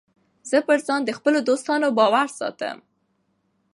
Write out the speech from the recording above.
زه پر ځان د خپلو دوستانو باور ساتم.